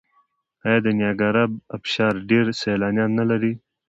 آیا د نیاګرا ابشار ډیر سیلانیان نلري؟